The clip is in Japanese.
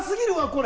これ。